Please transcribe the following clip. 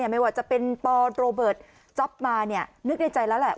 ไม่ว่าจะเป็นปโรเบิร์ตจ๊อปมานึกในใจแล้วแหละ